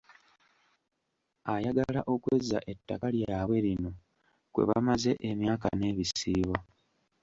Ayagala okwezza ettaka lyabwe lino kwe bamaze emyaka n’ebisiibo.